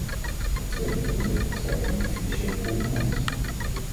Het tweede punt heeft betrekking op de financiële component.